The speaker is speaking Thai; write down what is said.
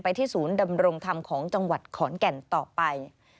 ที่ศูนย์ดำรงธรรมของจังหวัดขอนแก่นต่อไป